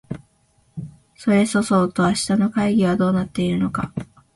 それそそうと明日の会議はどうなっているのか